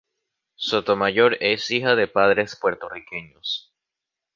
Sotomayor es hija de padres puertorriqueños.